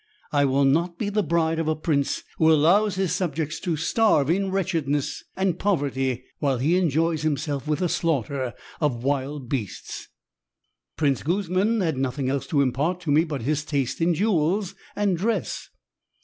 I will not be the bride of a prince who allows his subjects to starve in wretchedness and poverty while he enjoys himself with the slaughter of wild beasts. "Prince Guzman had nothing else to impart to me but his taste in jewels and dress.